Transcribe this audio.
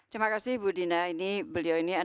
terima kasih ibu dina